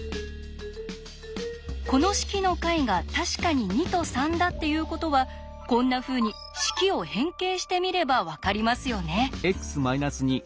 この式の解が確かに２と３だっていうことはこんなふうに式を変形してみれば分かりますよね？